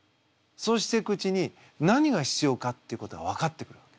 そうしていくうちに何が必要かっていうことが分かってくるわけ。